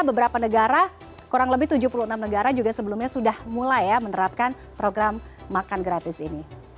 beberapa negara kurang lebih tujuh puluh enam negara juga sebelumnya sudah mulai ya menerapkan program makan gratis ini